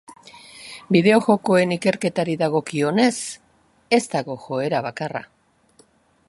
Bideo-jokoen ikerketari dagokionez, ez dago joera bakarra.